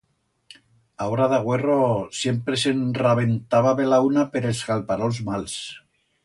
Aora d'agüerro siempre se'n rabentaba bel·launa per es camparols mals.